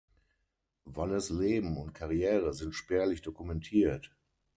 Valles Leben und Karriere sind spärlich dokumentiert.